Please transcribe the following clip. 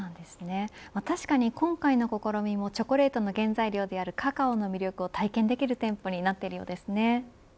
確かに今回の試みもチョコレートの原材料であるカカオの魅力を体験できる店舗になっているようですね。